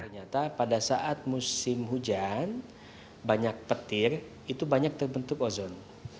ternyata pada saat musim hujan banyak petir itu banyak terbentuk ozon